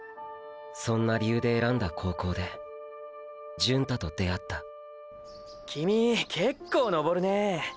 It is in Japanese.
そんな理由で選んだ高校でーー純太と出会ったキミけっこー登るねぇ。